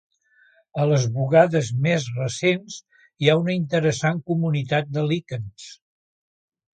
A les bugades més recents hi ha una interessant comunitat de líquens.